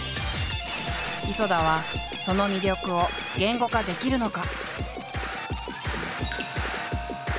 磯田はその魅力を言語化できるのか？